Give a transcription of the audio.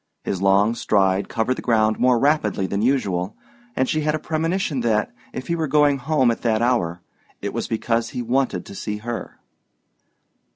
His long stride covered the ground more rapidly than usual, and she had a premonition that, if he were going home at that hour, it was because he wanted to see her.